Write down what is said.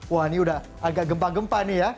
wah ini udah agak gempa gempa nih ya